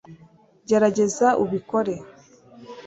gerageza ubikore